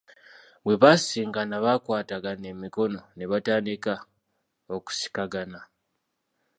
Bwe basisinkana bakwatagana emikono ne batandika okusikagana.